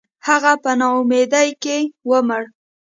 • هغه په ناامیدۍ کې ومړ.